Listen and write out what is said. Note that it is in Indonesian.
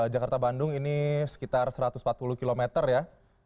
jakarta bandung ini sekitar satu ratus empat puluh kilometer ya